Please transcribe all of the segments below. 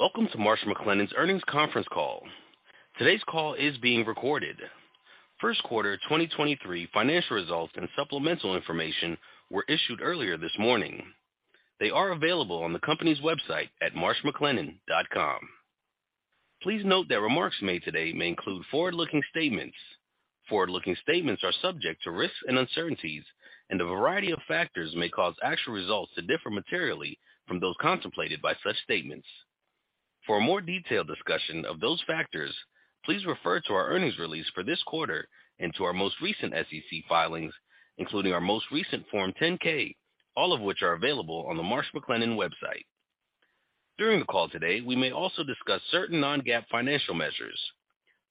Welcome to Marsh McLennan's earnings conference call. Today's call is being recorded. First quarter 2023 financial results and supplemental information were issued earlier this morning. They are available on the company's website at marshmclennan.com. Please note that remarks made today may include forward-looking statements. Forward-looking statements are subject to risks and uncertainties, and a variety of factors may cause actual results to differ materially from those contemplated by such statements. For a more detailed discussion of those factors, please refer to our earnings release for this quarter and to our most recent SEC filings, including our most recent Form 10-K, all of which are available on the Marsh McLennan website. During the call today, we may also discuss certain non-GAAP financial measures.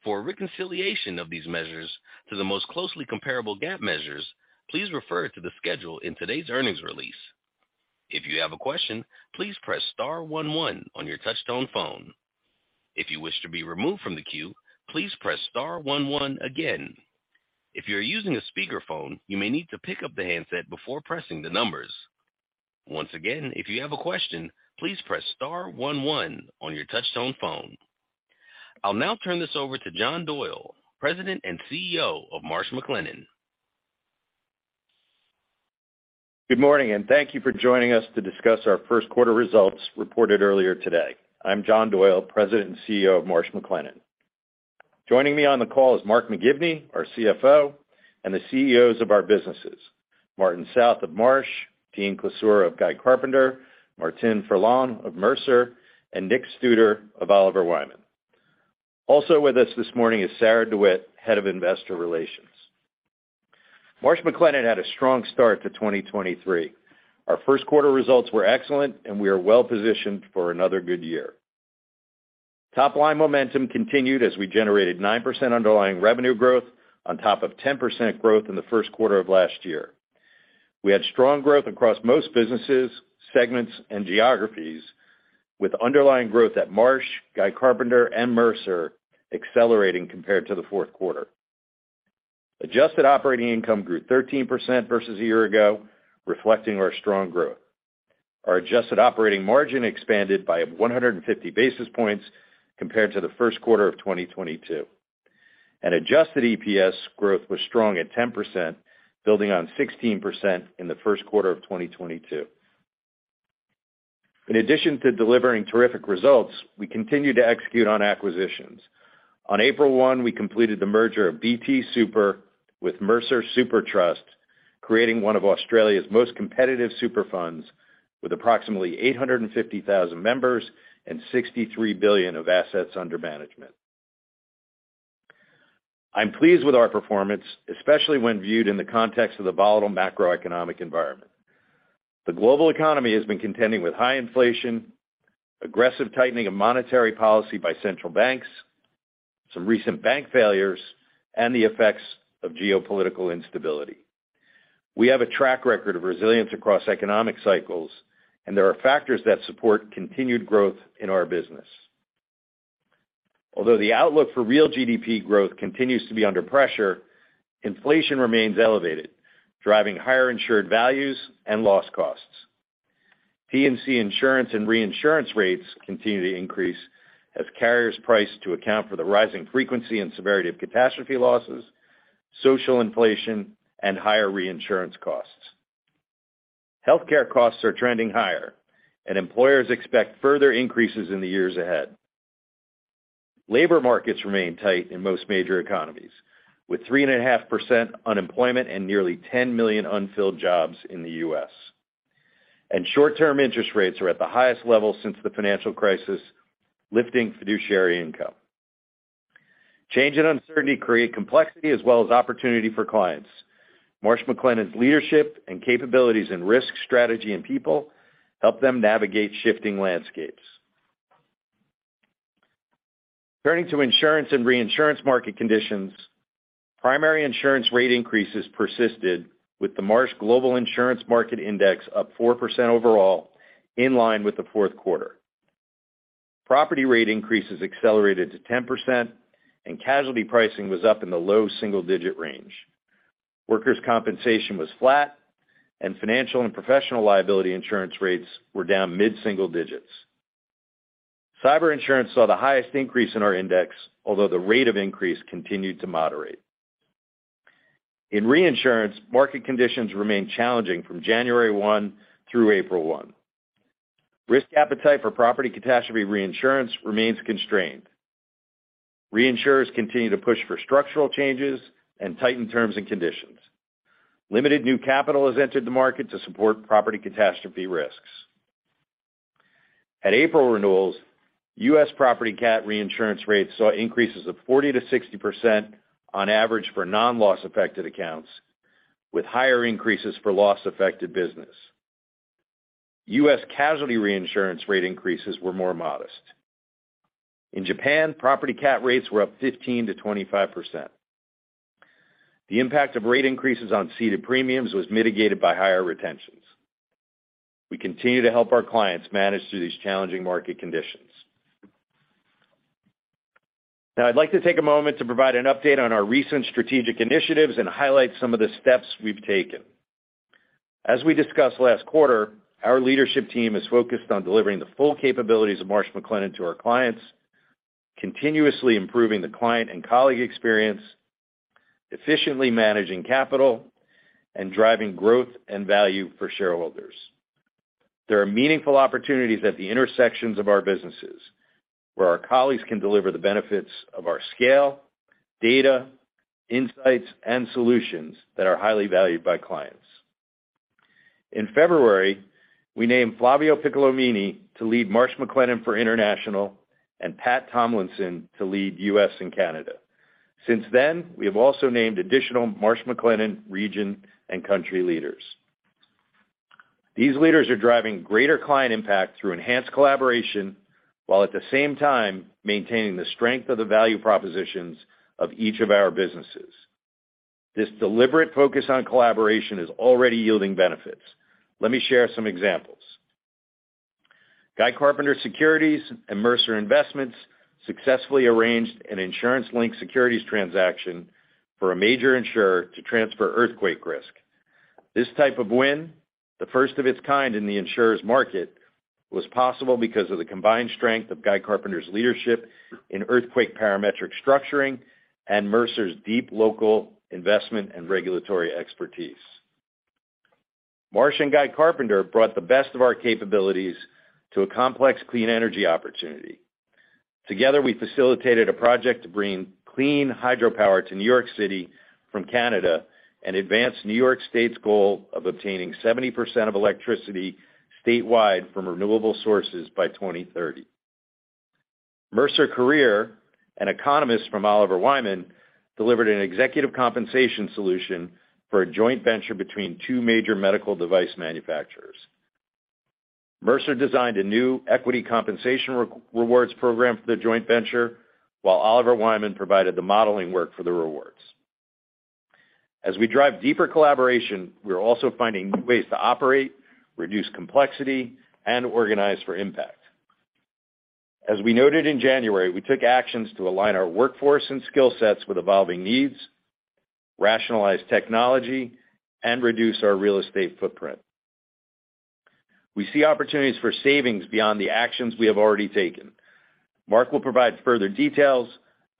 For a reconciliation of these measures to the most closely comparable GAAP measures, please refer to the schedule in today's earnings release. If you have a question, please press star one one on your touchtone phone. If you wish to be removed from the queue, please press star one one again. If you are using a speakerphone, you may need to pick up the handset before pressing the numbers. Once again, if you have a question, please press star one one on your touchtone phone. I'll now turn this over to John Doyle, President and CEO of Marsh McLennan. Good morning, and thank you for joining us to discuss our first quarter results reported earlier today. I'm John Doyle, President and CEO of Marsh McLennan. Joining me on the call is Mark McGivney, our CFO, and the CEOs of our businesses, Martin South of Marsh, Dean Klisura of Guy Carpenter, Martine Ferland of Mercer, and Nick Studer of Oliver Wyman. Also with us this morning is Sarah DeWitt, Head of Investor Relations. Marsh McLennan had a strong start to 2023. Our first quarter results were excellent, and we are well-positioned for another good year. Top line momentum continued as we generated 9% underlying revenue growth on top of 10% growth in the first quarter of last year. We had strong growth across most businesses, segments, and geographies, with underlying growth at Marsh, Guy Carpenter, and Mercer accelerating compared to the fourth quarter. Adjusted operating income grew 13% versus a year ago, reflecting our strong growth. Our adjusted operating margin expanded by 150 basis points compared to the first quarter of 2022. Adjusted EPS growth was strong at 10%, building on 16% in the first quarter of 2022. In addition to delivering terrific results, we continue to execute on acquisitions. On April 1, we completed the merger of BT Super with Mercer Super Trust, creating one of Australia's most competitive super funds with approximately 850,000 members and 63 billion of assets under management. I'm pleased with our performance, especially when viewed in the context of the volatile macroeconomic environment. The global economy has been contending with high inflation, aggressive tightening of monetary policy by central banks, some recent bank failures, and the effects of geopolitical instability. We have a track record of resilience across economic cycles, and there are factors that support continued growth in our business. Although the outlook for real GDP growth continues to be under pressure, inflation remains elevated, driving higher insured values and loss costs. P&C insurance and reinsurance rates continue to increase as carriers price to account for the rising frequency and severity of catastrophe losses, social inflation, and higher reinsurance costs. Healthcare costs are trending higher, and employers expect further increases in the years ahead. Labor markets remain tight in most major economies, with 3.5% unemployment and nearly 10 million unfilled jobs in the U.S.. Short-term interest rates are at the highest level since the financial crisis, lifting fiduciary income. Change and uncertainty create complexity as well as opportunity for clients. Marsh McLennan's leadership and capabilities in risk, strategy, and people help them navigate shifting landscapes. Turning to insurance and reinsurance market conditions, primary insurance rate increases persisted with the Marsh Global Insurance Market Index up 4% overall, in line with the fourth quarter. Property rate increases accelerated to 10%, casualty pricing was up in the low single-digit range. Workers' compensation was flat, financial and professional liability insurance rates were down mid-single digits. Cyber insurance saw the highest increase in our index, although the rate of increase continued to moderate. In reinsurance, market conditions remained challenging from January 1 through April 1. Risk appetite for property catastrophe reinsurance remains constrained. Reinsurers continue to push for structural changes and tighten terms and conditions. Limited new capital has entered the market to support property catastrophe risks. At April renewals, U.S. property cat reinsurance rates saw increases of 40%-60% on average for non-loss affected accounts, with higher increases for loss-affected business. U.S. casualty reinsurance rate increases were more modest. In Japan, property cat rates were up 15%-25%. The impact of rate increases on ceded premiums was mitigated by higher retentions. We continue to help our clients manage through these challenging market conditions. Now I'd like to take a moment to provide an update on our recent strategic initiatives and highlight some of the steps we've taken. As we discussed last quarter, our leadership team is focused on delivering the full capabilities of Marsh McLennan to our clients, continuously improving the client and colleague experience, efficiently managing capital, and driving growth and value for shareholders. There are meaningful opportunities at the intersections of our businesses where our colleagues can deliver the benefits of our scale, data, insights, and solutions that are highly valued by clients. In February, we named Flavio Piccolomini to lead Marsh McLennan for International and Pat Tomlinson to lead U.S. and Canada. Since then, we have also named additional Marsh McLennan region and country leaders. These leaders are driving greater client impact through enhanced collaboration, while at the same time, maintaining the strength of the value propositions of each of our businesses. This deliberate focus on collaboration is already yielding benefits. Let me share some examples. Guy Carpenter Securities and Mercer Investments successfully arranged an insurance-linked securities transaction for a major insurer to transfer earthquake risk. This type of win, the first of its kind in the insurer's market, was possible because of the combined strength of Guy Carpenter's leadership in earthquake parametric structuring and Mercer's deep local investment and regulatory expertise. Marsh and Guy Carpenter brought the best of our capabilities to a complex clean energy opportunity. Together, we facilitated a project to bring clean hydropower to New York City from Canada and advance New York State's goal of obtaining 70% of electricity statewide from renewable sources by 2030. Mercer Career, an economist from Oliver Wyman, delivered an executive compensation solution for a joint venture between two major medical device manufacturers. Mercer designed a new equity compensation rewards program for the joint venture, while Oliver Wyman provided the modeling work for the rewards. As we drive deeper collaboration, we are also finding new ways to operate, reduce complexity, and organize for impact. As we noted in January, we took actions to align our workforce and skill sets with evolving needs, rationalize technology, and reduce our real estate footprint. We see opportunities for savings beyond the actions we have already taken. Mark will provide further details,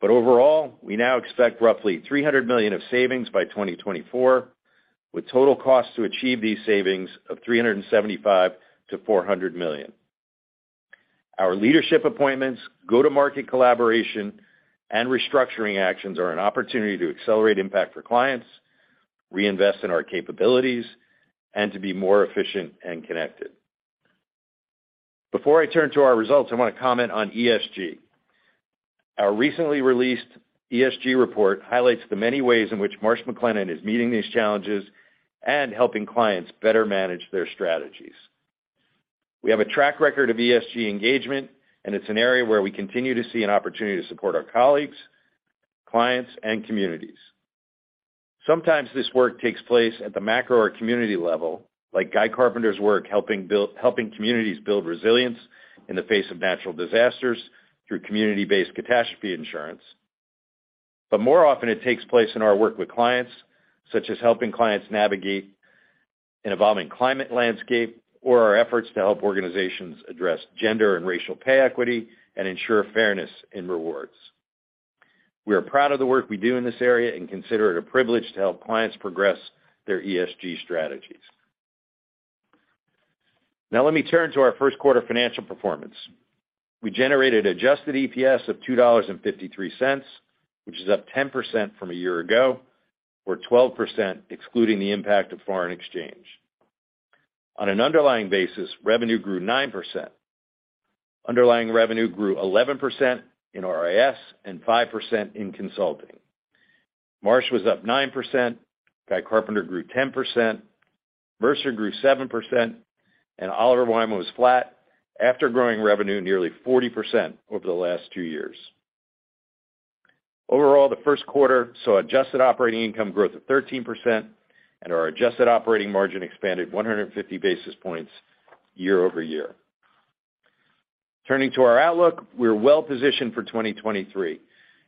but overall, we now expect roughly $300 million of savings by 2024, with total costs to achieve these savings of $375 million-$400 million. Our leadership appointments, go-to-market collaboration, and restructuring actions are an opportunity to accelerate impact for clients, reinvest in our capabilities, and to be more efficient and connected. Before I turn to our results, I wanna comment on ESG. Our recently released ESG report highlights the many ways in which Marsh McLennan is meeting these challenges and helping clients better manage their strategies. We have a track record of ESG engagement, it's an area where we continue to see an opportunity to support our colleagues, clients, and communities. Sometimes this work takes place at the macro or community level, like Guy Carpenter's work helping communities build resilience in the face of natural disasters through community-based catastrophe insurance. More often, it takes place in our work with clients, such as helping clients navigate an evolving climate landscape or our efforts to help organizations address gender and racial pay equity and ensure fairness in rewards. We are proud of the work we do in this area and consider it a privilege to help clients progress their ESG strategies. Now let me turn to our first quarter financial performance. We generated adjusted EPS of $2.53, which is up 10% from a year ago, or 12% excluding the impact of foreign exchange. On an underlying basis, revenue grew 9%. Underlying revenue grew 11% in RIS and 5% in consulting. Marsh was up 9%, Guy Carpenter grew 10%, Mercer grew 7%, and Oliver Wyman was flat after growing revenue nearly 40% over the last two years. Overall, the first quarter saw adjusted operating income growth of 13% and our adjusted operating margin expanded 150 basis points year-over-year. Turning to our outlook, we're well-positioned for 2023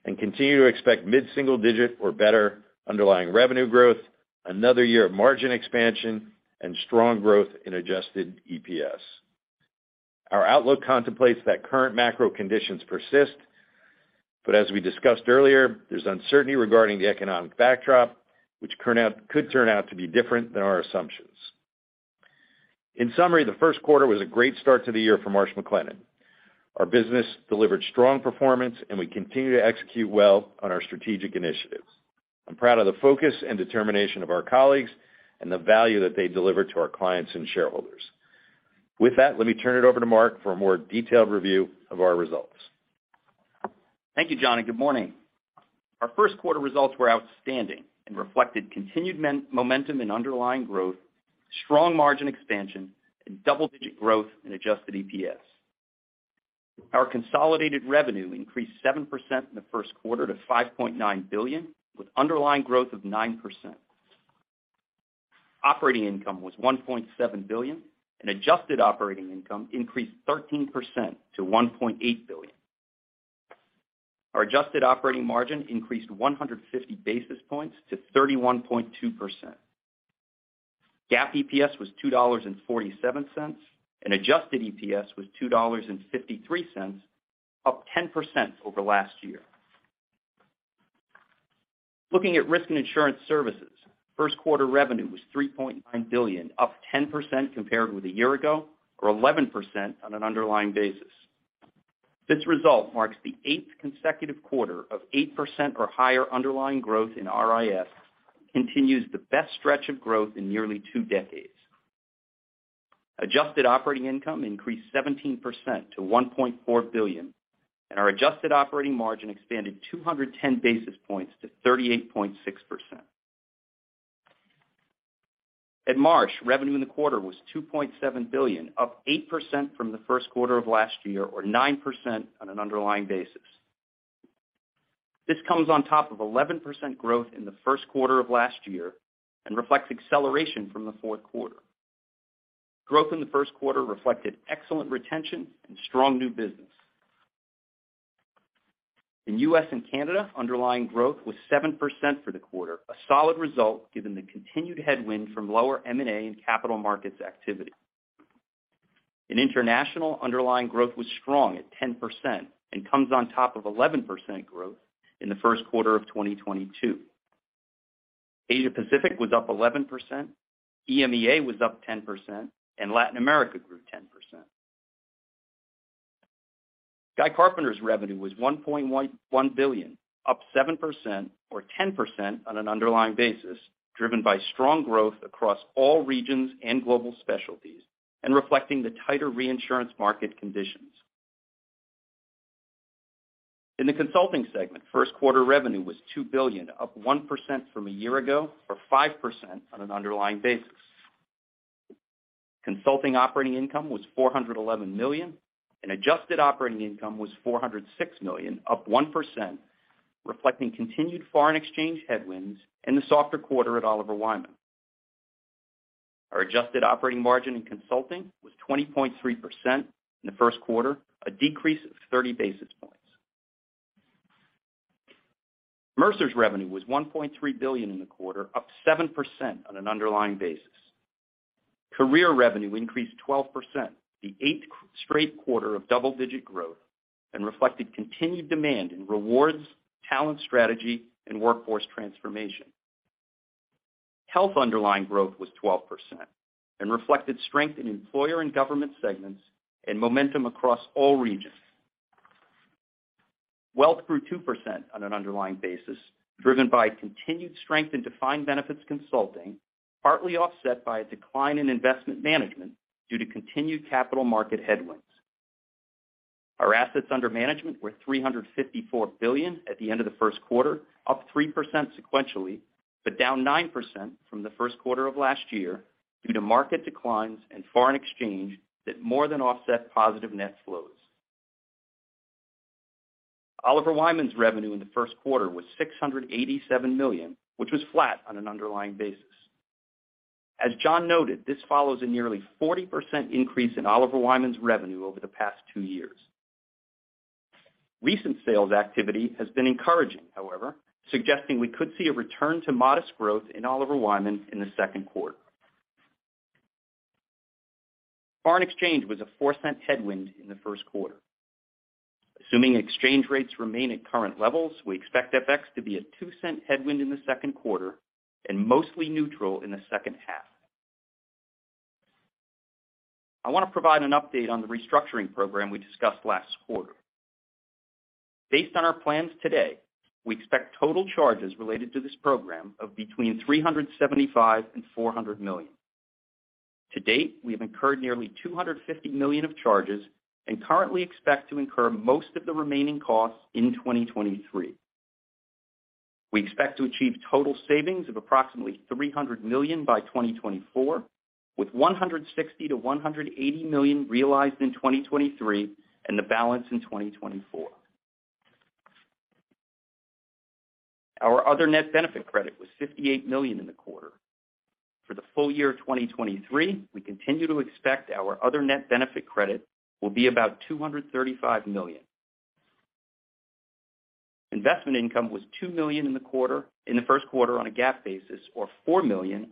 and continue to expect mid-single digit or better underlying revenue growth, another year of margin expansion, and strong growth in adjusted EPS. Our outlook contemplates that current macro conditions persist. As we discussed earlier, there's uncertainty regarding the economic backdrop, could turn out to be different than our assumptions. In summary, the first quarter was a great start to the year for Marsh McLennan. Our business delivered strong performance, and we continue to execute well on our strategic initiatives. I'm proud of the focus and determination of our colleagues and the value that they deliver to our clients and shareholders. With that, let me turn it over to Mark for a more detailed review of our results. Thank you, John. Good morning. Our first quarter results were outstanding and reflected continued momentum and underlying growth, strong margin expansion, and double-digit growth in adjusted EPS. Our consolidated revenue increased 7% in the first quarter to $5.9 billion, with underlying growth of 9%. Operating income was $1.7 billion. Adjusted operating income increased 13% to $1.8 billion. Our adjusted operating margin increased 150 basis points to 31.2%. GAAP EPS was $2.47. Adjusted EPS was $2.53, up 10% over last year. Looking at Risk and Insurance Services, first quarter revenue was $3.9 billion, up 10% compared with a year ago, or 11% on an underlying basis. This result marks the 8th consecutive quarter of 8% or higher underlying growth in RIS, continues the best stretch of growth in nearly two decades. Adjusted operating income increased 17% to $1.4 billion, and our adjusted operating margin expanded 210 basis points to 38.6%. At Marsh, revenue in the quarter was $2.7 billion, up 8% from the first quarter of last year, or 9% on an underlying basis. This comes on top of 11% growth in the first quarter of last year and reflects acceleration from the fourth quarter. Growth in the first quarter reflected excellent retention and strong new business. In U.S. and Canada, underlying growth was 7% for the quarter, a solid result given the continued headwind from lower M&A and capital markets activity. In international, underlying growth was strong at 10% and comes on top of 11% growth in the first quarter of 2022. Asia Pacific was up 11%, EMEA was up 10%, and Latin America grew 10%. Guy Carpenter's revenue was $1.1 billion, up 7% or 10% on an underlying basis, driven by strong growth across all regions and global specialties and reflecting the tighter reinsurance market conditions. In the consulting segment, first quarter revenue was $2 billion, up 1% from a year ago, or 5% on an underlying basis. Consulting operating income was $411 million, and adjusted operating income was $406 million, up 1%, reflecting continued foreign exchange headwinds and the softer quarter at Oliver Wyman. Our adjusted operating margin in consulting was 20.3% in the first quarter, a decrease of 30 basis points. Mercer's revenue was $1.3 billion in the quarter, up 7% on an underlying basis. Career revenue increased 12%, the eighth straight quarter of double-digit growth, and reflected continued demand in rewards, talent strategy, and workforce transformation. Health underlying growth was 12% and reflected strength in employer and government segments and momentum across all regions. Wealth grew 2% on an underlying basis, driven by continued strength in defined benefits consulting, partly offset by a decline in investment management due to continued capital market headwinds. Our assets under management were $354 billion at the end of the first quarter, up 3% sequentially, but down 9% from the first quarter of last year due to market declines in foreign exchange that more than offset positive net flows. Oliver Wyman's revenue in the first quarter was $687 million, which was flat on an underlying basis. As John noted, this follows a nearly 40% increase in Oliver Wyman's revenue over the past two years. Recent sales activity has been encouraging, however, suggesting we could see a return to modest growth in Oliver Wyman in the second quarter. Foreign exchange was a $0.04 headwind in the first quarter. Assuming exchange rates remain at current levels, we expect FX to be a $0.02 headwind in the second quarter and mostly neutral in the second half. I want to provide an update on the restructuring program we discussed last quarter. Based on our plans today, we expect total charges related to this program of between $375 million and $400 million. To date, we have incurred nearly $250 million of charges and currently expect to incur most of the remaining costs in 2023. We expect to achieve total savings of approximately $300 million by 2024, with $160 million-$180 million realized in 2023 and the balance in 2024. Our other net benefit credit was $58 million in the quarter. For the full year of 2023, we continue to expect our other net benefit credit will be about $235 million. Investment income was $2 million in the first quarter on a GAAP basis, or $4 million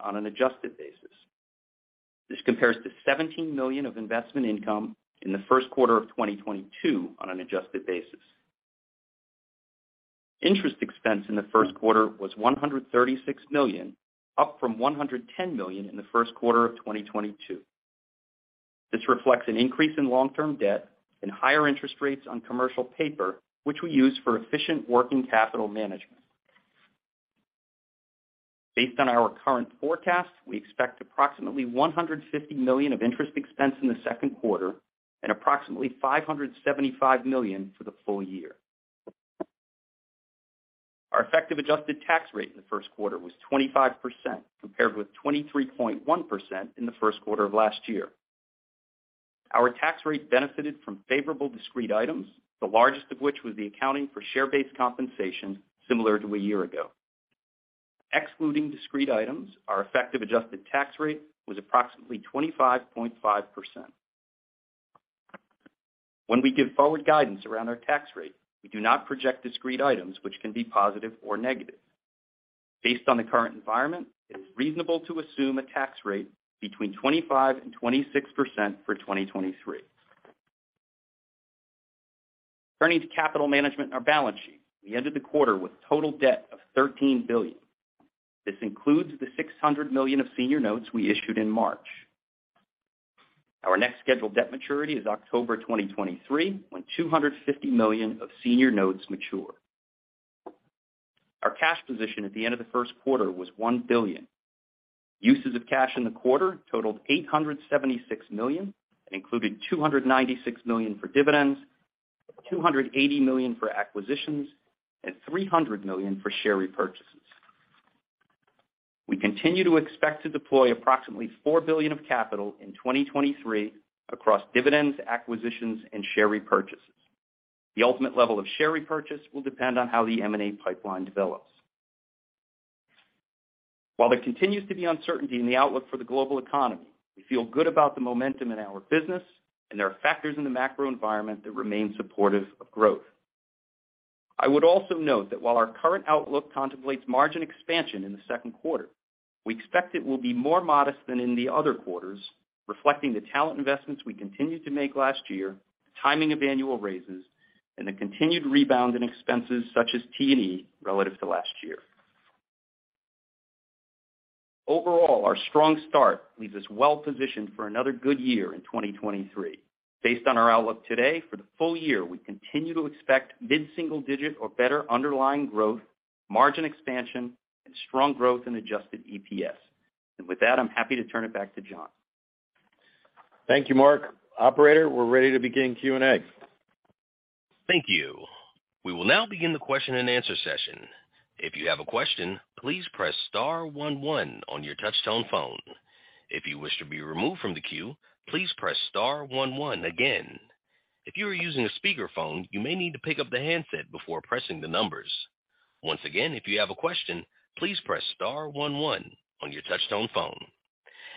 on an adjusted basis. Interest expense in the first quarter was $136 million, up from $110 million in the first quarter of 2022. This reflects an increase in long-term debt and higher interest rates on commercial paper, which we use for efficient working capital management. Based on our current forecast, we expect approximately $150 million of interest expense in the second quarter and approximately $575 million for the full year. Our effective adjusted tax rate in the first quarter was 25%, compared with 23.1% in the first quarter of last year. Our tax rate benefited from favorable discrete items, the largest of which was the accounting for share-based compensation similar to a year ago. Excluding discrete items, our effective adjusted tax rate was approximately 25.5%. When we give forward guidance around our tax rate, we do not project discrete items which can be positive or negative. Based on the current environment, it's reasonable to assume a tax rate between 25% and 26% for 2023. Turning to capital management and our balance sheet. We ended the quarter with total debt of $13 billion. This includes the $600 million of senior notes we issued in March. Our next scheduled debt maturity is October 2023, when $250 million of senior notes mature. Our cash position at the end of the first quarter was $1 billion. Uses of cash in the quarter totaled $876 million, including $296 million for dividends, $280 million for acquisitions, and $300 million for share repurchases. We continue to expect to deploy approximately $4 billion of capital in 2023 across dividends, acquisitions, and share repurchases. The ultimate level of share repurchase will depend on how the M&A pipeline develops. While there continues to be uncertainty in the outlook for the global economy, we feel good about the momentum in our business, and there are factors in the macro environment that remain supportive of growth. I would also note that while our current outlook contemplates margin expansion in the second quarter, we expect it will be more modest than in the other quarters, reflecting the talent investments we continued to make last year, timing of annual raises, and the continued rebound in expenses such as T&E relative to last year. Overall, our strong start leaves us well positioned for another good year in 2023. Based on our outlook today, for the full year, we continue to expect mid-single digit or better underlying growth, margin expansion, and strong growth in adjusted EPS. With that, I'm happy to turn it back to John. Thank you, Mark. Operator, we're ready to begin Q&A. Thank you. We will now begin the question-and-answer session. If you have a question, please press star one one on your touchtone phone. If you wish to be removed from the queue, please press star one one again. If you are using a speakerphone, you may need to pick up the handset before pressing the numbers. Once again, if you have a question, please press star one one on your touchtone phone.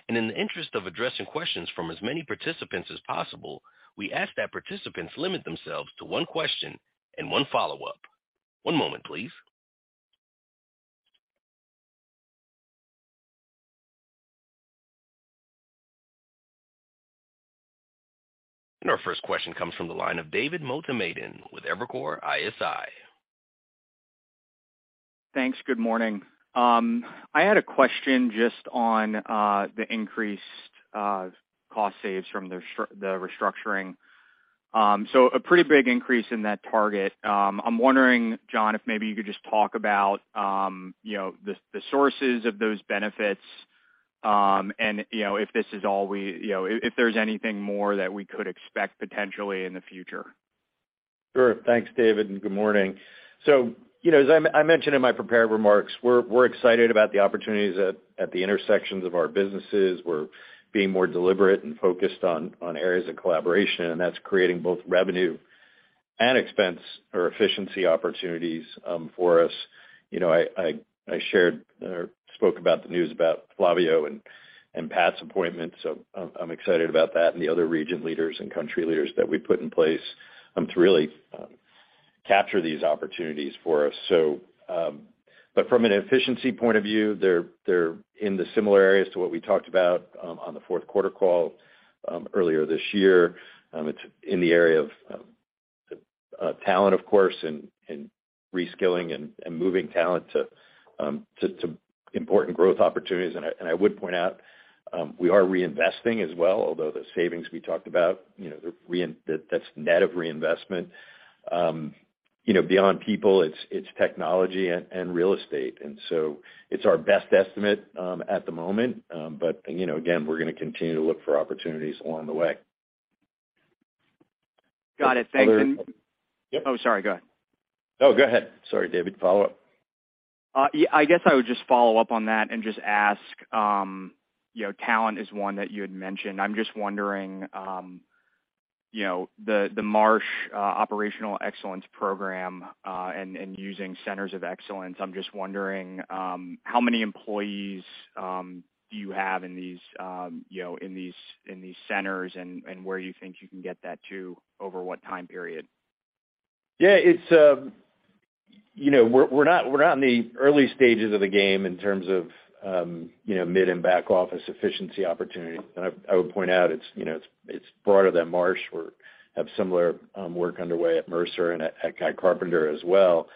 In the interest of addressing questions from as many participants as possible, we ask that participants limit themselves to one question and one follow-up. One moment, please. Our first question comes from the line of David Motemaden with Evercore ISI. Thanks. Good morning. I had a question just on the increased cost saves from the restructuring. A pretty big increase in that target. I'm wondering, John, if maybe you could just talk about, you know, the sources of those benefits, and, you know, if this is all we, you know, if there's anything more that we could expect potentially in the future. Sure. Thanks, David, and good morning. You know, as I mentioned in my prepared remarks, we're excited about the opportunities at the intersections of our businesses. We're being more deliberate and focused on areas of collaboration, and that's creating both revenue and expense or efficiency opportunities for us. You know, I shared or spoke about the news about Flavio and Pat's appointment, so I'm excited about that and the other region leaders and country leaders that we put in place to really capture these opportunities for us. But from an efficiency point of view, they're in the similar areas to what we talked about on the fourth quarter call earlier this year. It's in the area of talent, of course, and reskilling and moving talent to important growth opportunities. I would point out, we are reinvesting as well, although the savings we talked about, you know, that's net of reinvestment. You know, beyond people, it's technology and real estate. It's our best estimate at the moment. You know, again, we're going to continue to look for opportunities along the way. Got it. Thanks. Other- Oh, sorry, go ahead. No, go ahead. Sorry, David. Follow up. Yeah, I guess I would just follow up on that and just ask, you know, talent is one that you had mentioned. I'm just wondering, you know, the Marsh operational excellence program, and using centers of excellence. I'm just wondering, how many employees do you have in these, you know, in these centers and where you think you can get that to over what time period? Yeah, it's, you know, we're not, we're not in the early stages of the game in terms of, you know, mid and back office efficiency opportunities. I would point out it's, you know, it's broader than Marsh. We have similar work underway at Mercer and at Guy Carpenter as well.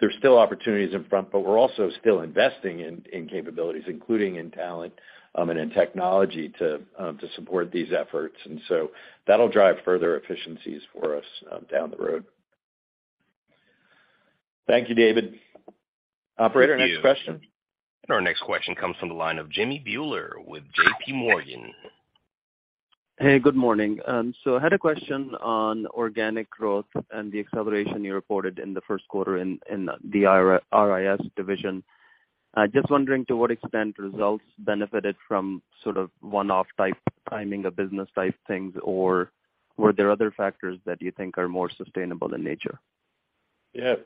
There's still opportunities in front, but we're also still investing in capabilities, including in talent, and in technology to support these efforts. That'll drive further efficiencies for us down the road. Thank you, David. Operator, next question. Thank you. Our next question comes from the line of Jimmy Bhullar with JPMorgan. Hey, good morning. I had a question on organic growth and the acceleration you reported in the first quarter in the RIS division. I'm just wondering to what extent results benefited from sort of one-off type timing of business type things, or were there other factors that you think are more sustainable in nature? Yeah,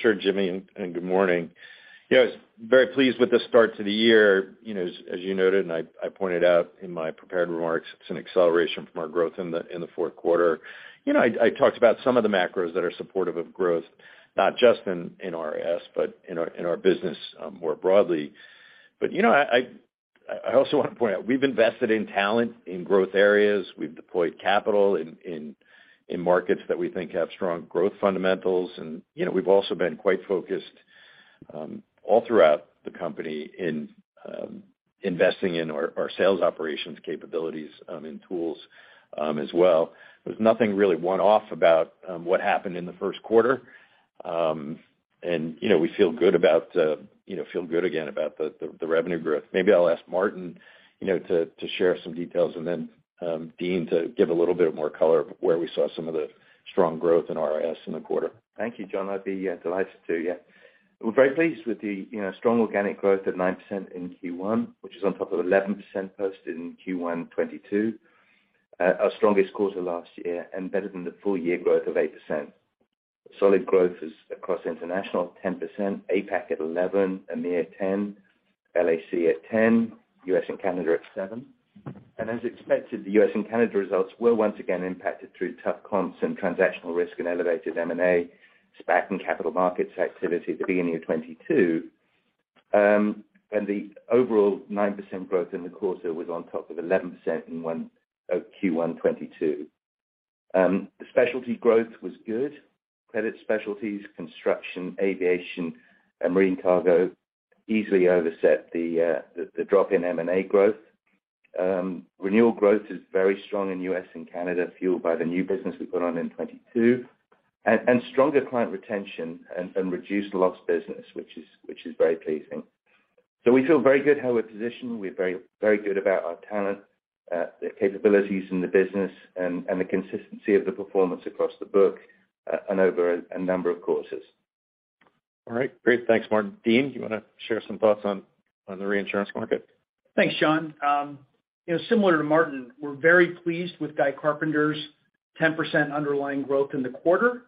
sure, Jimmy, and good morning. Yes, very pleased with the start to the year. You know, as you noted, and I pointed out in my prepared remarks, it's an acceleration from our growth in the fourth quarter. You know, I talked about some of the macros that are supportive of growth, not just in RIS, but in our business more broadly. You know, I also want to point out, we've invested in talent in growth areas. We've deployed capital in markets that we think have strong growth fundamentals. You know, we've also been quite focused all throughout the company in investing in our sales operations capabilities in tools as well. There's nothing really one-off about what happened in the first quarter. You know, we feel good about, you know, feel good again about the, the revenue growth. Maybe I'll ask Martin, you know, to share some details and then, Dean to give a little bit more color of where we saw some of the strong growth in RIS in the quarter. Thank you, John. I'd be delighted to, yeah. We're very pleased with the, you know, strong organic growth at 9% in Q1, which is on top of 11% posted in Q1 2022. Our strongest quarter last year and better than the full year growth of 8%. Solid growth is across international, 10%, APAC at 11%, EMEA 10%, LAC at 10%, U.S. and Canada at 7%. As expected, the U.S. and Canada results were once again impacted through tough comps and transactional risk and elevated M&A, SPAC and capital markets activity at the beginning of 2022. The overall 9% growth in the quarter was on top of 11% in Q1 2022. The specialty growth was good. Credit specialties, construction, aviation, and marine cargo easily offset the drop in M&A growth. Renewal growth is very strong in U.S. and Canada, fueled by the new business we put on in 2022. Stronger client retention and reduced lost business, which is very pleasing. We feel very good how we're positioned. We're very good about our talent, the capabilities in the business and the consistency of the performance across the book and over a number of courses. All right. Great. Thanks, Martin. Dean, do you wanna share some thoughts on the reinsurance market? Thanks, John. you know, similar to Martin, we're very pleased with Guy Carpenter's 10% underlying growth in the quarter.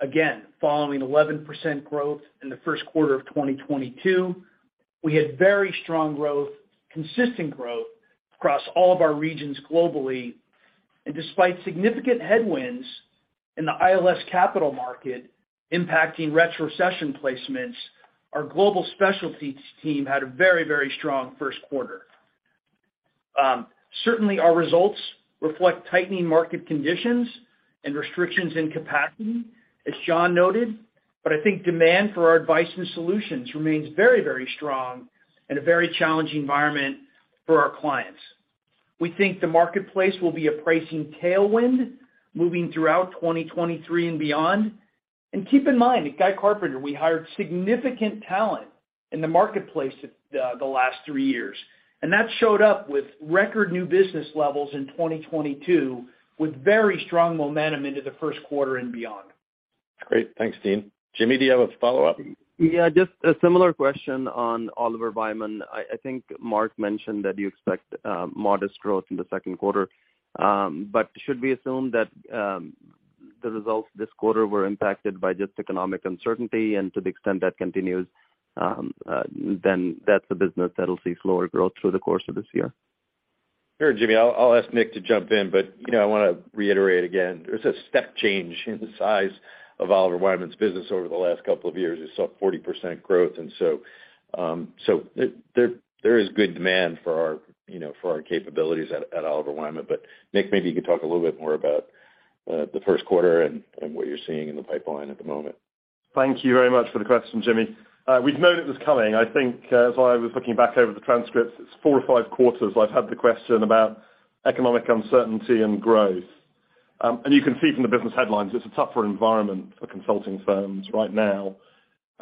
Again, following 11% growth in the first quarter of 2022, we had very strong growth, consistent growth across all of our regions globally. Despite significant headwinds in the ILS capital market impacting retrocession placements, our global specialties team had a very, very strong first quarter. Certainly, our results reflect tightening market conditions and restrictions in capacity, as John noted, but I think demand for our advice and solutions remains very, very strong in a very challenging environment for our clients. We think the marketplace will be a pricing tailwind moving throughout 2023 and beyond. Keep in mind, at Guy Carpenter, we hired significant talent in the marketplace, the last three years, and that showed up with record new business levels in 2022, with very strong momentum into the first quarter and beyond. Great. Thanks, Dean. Jimmy, do you have a follow-up? Yeah, just a similar question on Oliver Wyman. I think Mark mentioned that you expect modest growth in the second quarter. Should we assume that the results this quarter were impacted by just economic uncertainty? To the extent that continues, then that's a business that'll see slower growth through the course of this year. Sure, Jimmy. I'll ask Nick to jump in, but, you know, I want to reiterate again, there's a step change in the size of Oliver Wyman's business over the last couple of years. It saw 40% growth. So there is good demand for our, you know, for our capabilities at Oliver Wyman. Nick, maybe you could talk a little bit more about the first quarter and what you're seeing in the pipeline at the moment. Thank you very much for the question, Jimmy. We've known it was coming. I think as I was looking back over the transcripts, it's four or five quarters, I've had the question about economic uncertainty and growth. You can see from the business headlines, it's a tougher environment for consulting firms right now.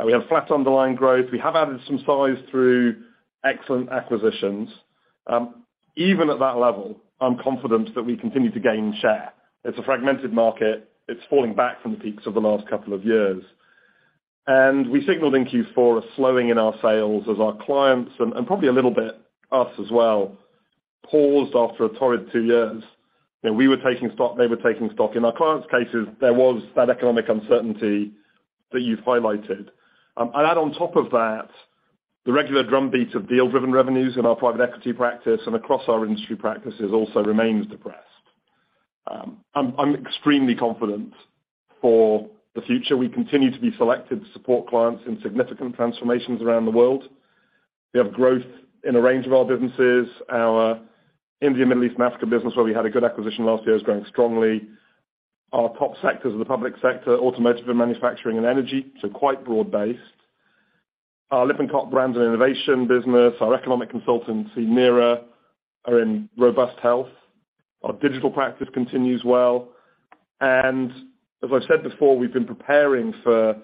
We have flat underlying growth. We have added some size through excellent acquisitions. Even at that level, I'm confident that we continue to gain share. It's a fragmented market. It's falling back from the peaks of the last couple of years. We signaled in Q4 a slowing in our sales as our clients, and probably a little bit us as well, paused after a torrid two years. You know, we were taking stock, they were taking stock. In our clients' cases, there was that economic uncertainty that you've highlighted. I'd add on top of that the regular drumbeat of deal-driven revenues in our private equity practice and across our industry practices also remains depressed. I'm extremely confident for the future. We continue to be selected to support clients in significant transformations around the world. We have growth in a range of our businesses. Our India, Middle East, and Africa business, where we had a good acquisition last year, is growing strongly. Our top sectors are the public sector, automotive and manufacturing, and energy, so quite broad-based. Our Lippincott brands and innovation business, our economic consultancy, NERA, are in robust health. Our digital practice continues well. As I've said before, we've been preparing for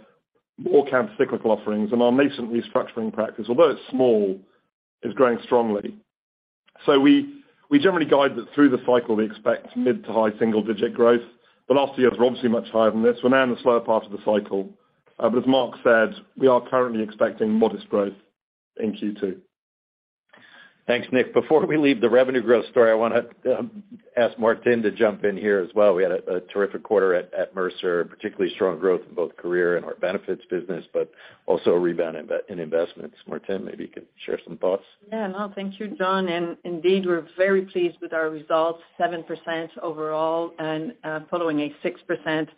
all kinds of cyclical offerings, and our nascent restructuring practice, although it's small, is growing strongly. We generally guide that through the cycle, we expect mid to high single-digit growth. The last year was obviously much higher than this. We're now in the slower part of the cycle. As Mark said, we are currently expecting modest growth in Q2. Thanks, Nick. Before we leave the revenue growth story, I wanna ask Martine to jump in here as well. We had a terrific quarter at Mercer, particularly strong growth in both career and our benefits business, but also a rebound in investments. Martine, maybe you could share some thoughts. Yeah, no, thank you, John. Indeed, we're very pleased with our results, 7% overall following a 6%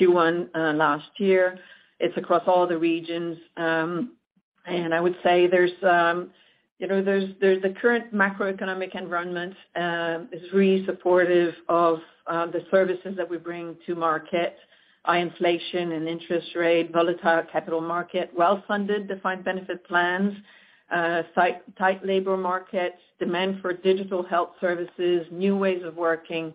Q1 last year. It's across all the regions, I would say there's, you know, there's the current macroeconomic environment is really supportive of the services that we bring to market. High inflation and interest rate, volatile capital market, well-funded defined benefit plans, tight labor markets, demand for digital health services, new ways of working.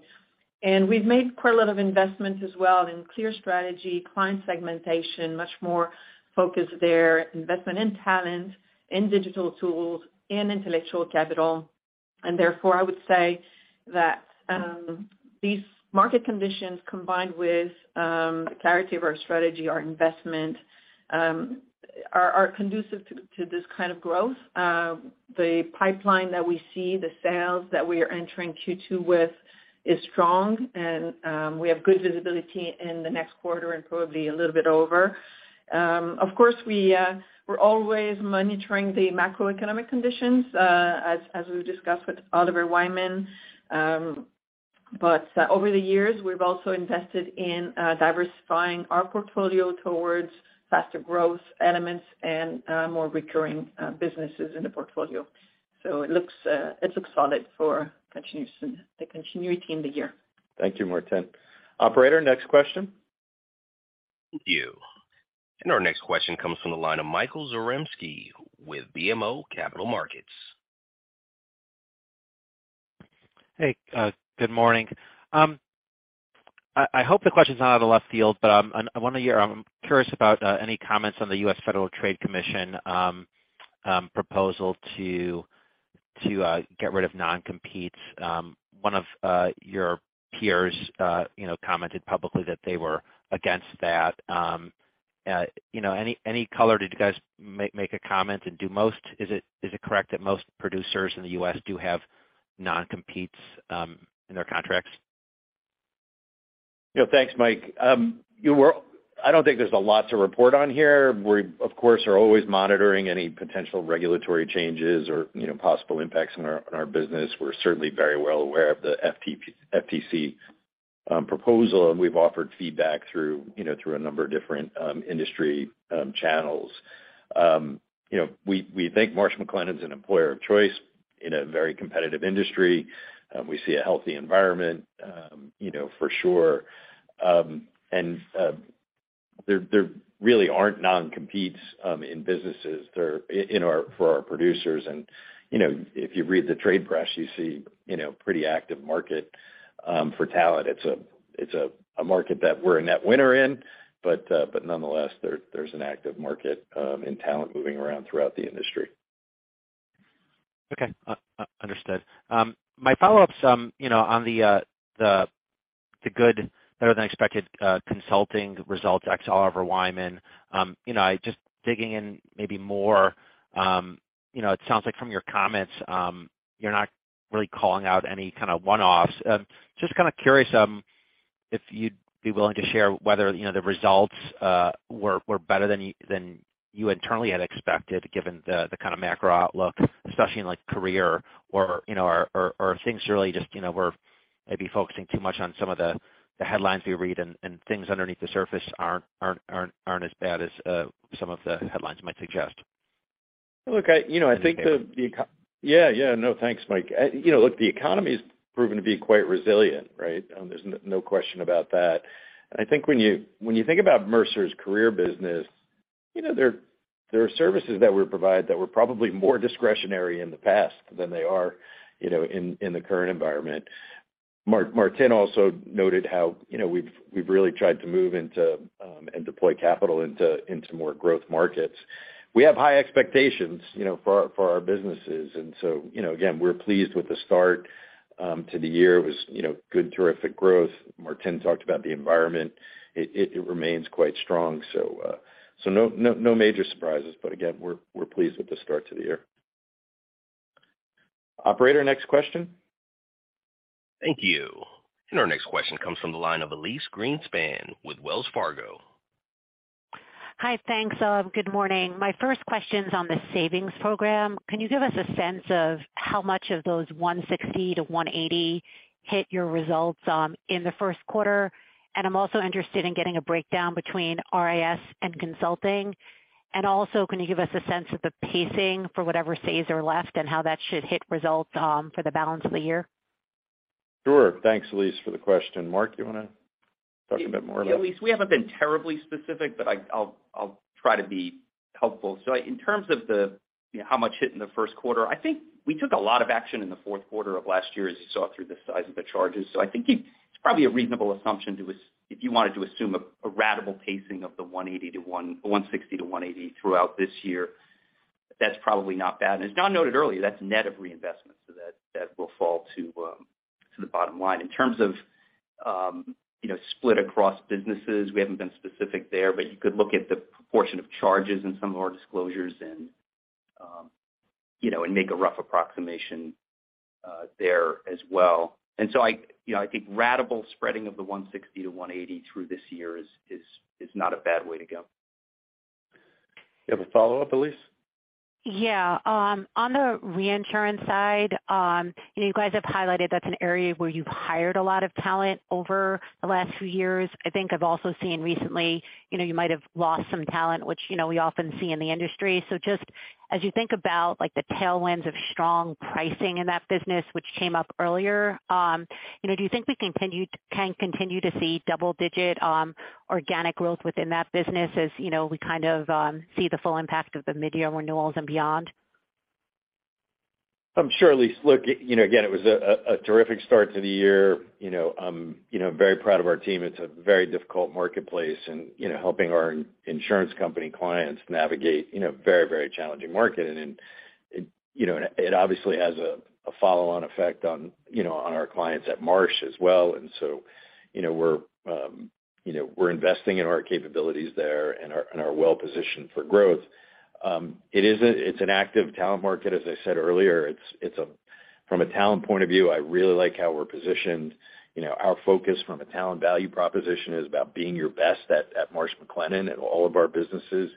We've made quite a lot of investments as well in clear strategy, client segmentation, much more focused there, investment in talent, in digital tools, in intellectual capital. Therefore, I would say that these market conditions, combined with clarity of our strategy, our investment, are conducive to this kind of growth. The pipeline that we see, the sales that we are entering Q2 with is strong, and we have good visibility in the next quarter and probably a little bit over. Of course, we're always monitoring the macroeconomic conditions, as we've discussed with Oliver Wyman. Over the years, we've also invested in diversifying our portfolio towards faster growth elements and more recurring businesses in the portfolio. It looks solid for continuation, the continuity in the year. Thank you, Martine. Operator, next question. Thank you. Our next question comes from the line of Michael Zaremski with BMO Capital Markets. Hey, good morning. I hope the question's not out of the left field, I'm curious about any comments on the U.S. Federal Trade Commission proposal to get rid of non-competes. One of your peers, you know, commented publicly that they were against that. You know, any color? Did you guys make a comment? Is it correct that most producers in the U.S. do have non-competes in their contracts? Yeah. Thanks, Mike. you know, I don't think there's a lot to report on here. We're, of course, are always monitoring any potential regulatory changes or, you know, possible impacts on our, on our business. We're certainly very well aware of the FTC proposal, and we've offered feedback through, you know, through a number of different industry channels. you know, we think Marsh McLennan's an employer of choice in a very competitive industry. We see a healthy environment, you know, for sure. there really aren't non-competes in businesses. for our producers and, you know, if you read the trade press, you see, you know, pretty active market for talent. It's a market that we're a net winner in, but nonetheless, there's an active market in talent moving around throughout the industry. Okay, I understood. My follow-up's, you know, on the good, better than expected consulting results ex Oliver Wyman. You know, I just digging in maybe more, you know, it sounds like from your comments, you're not really calling out any kind of one-offs. Just curious if you'd be willing to share whether, you know, the results were better than you internally had expected given the kind of macro outlook, especially in like career, or, you know, or if things really just, you know, we're maybe focusing too much on some of the headlines we read and things underneath the surface aren't as bad as some of the headlines might suggest Look, I, you know, I think. Anything. Yeah, yeah. No, thanks, Mike. You know, look, the economy's proven to be quite resilient, right? There's no question about that. I think when you think about Mercer Career business, you know, there are services that we provide that were probably more discretionary in the past than they are, you know, in the current environment. Martine also noted how, you know, we've really tried to move into and deploy capital into more growth markets. We have high expectations, you know, for our businesses and so, you know, again, we're pleased with the start to the year. It was, you know, good, terrific growth. Martine talked about the environment. It remains quite strong. No major surprises, but again, we're pleased with the start to the year. Operator, next question. Thank you. Our next question comes from the line of Elyse Greenspan with Wells Fargo. Hi. Thanks, good morning. My first question's on the savings program. Can you give us a sense of how much of those $160 million-$180 million hit your results in the first quarter? I'm also interested in getting a breakdown between RIS and consulting. Also, can you give us a sense of the pacing for whatever saves are left and how that should hit results for the balance of the year? Sure. Thanks, Elyse, for the question. Mark, you wanna talk a bit more about- Yeah, Elyse, we haven't been terribly specific, but I'll try to be helpful. In terms of the, you know, how much hit in the first quarter, I think we took a lot of action in the fourth quarter of last year, as you saw through the size of the charges. I think it's probably a reasonable assumption if you wanted to assume a ratable pacing of the $160 million-$180 million throughout this year, that's probably not bad. As John Doyle noted earlier, that's net of reinvestments as well. Will fall to the bottom line. In terms of, you know, split across businesses, we haven't been specific there, but you could look at the proportion of charges in some of our disclosures and, you know, and make a rough approximation there as well. I, you know, I think ratable spreading of the $160 million-$180 million through this year is not a bad way to go. You have a follow-up, Elyse? Yeah. On the reinsurance side, you guys have highlighted that's an area where you've hired a lot of talent over the last few years. I think I've also seen recently, you know, you might have lost some talent, which, you know, we often see in the industry. Just as you think about, like, the tailwinds of strong pricing in that business, which came up earlier, you know, do you think we can continue to see double digit organic growth within that business as, you know, we kind of see the full impact of the mid-year renewals and beyond? Sure, Elyse. Look, you know, again, it was a terrific start to the year, you know, very proud of our team. It's a very difficult marketplace and, you know, helping our insurance company clients navigate, you know, very challenging market. You know, it obviously has a follow-on effect on, you know, on our clients at Marsh as well. You know, we're investing in our capabilities there and are well-positioned for growth. It is an active talent market, as I said earlier. From a talent point of view, I really like how we're positioned. You know, our focus from a talent value proposition is about being your best at Marsh McLennan in all of our businesses.